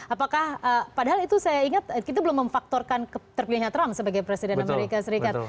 apakah padahal itu saya ingat kita belum memfaktorkan terpilihnya trump sebagai presiden amerika serikat